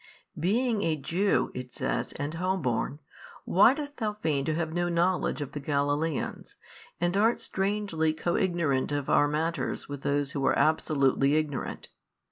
Being a Jew (it says) and home born, why dost thou feign to have no knowledge of the Galileans, and art strangely co ignorant of our matters with those who are absolutely ignorant?